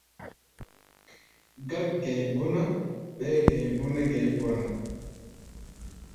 Gák-gɛ̧i̧ bé ná, ɓɛɛ́ gɛ̧i̧ bé nɛ́ gɛ̧i̧ ɓɔ ná.